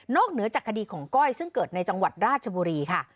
เหนือจากคดีของก้อยซึ่งเกิดในจังหวัดราชบุรีค่ะ